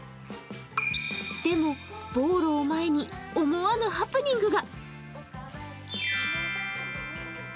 でも、ぼうろを前に思わぬハプニングが。